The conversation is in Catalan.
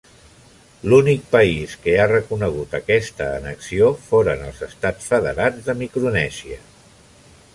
L'únic país que ha reconegut aquesta annexió foren els Estats Federats de Micronèsia.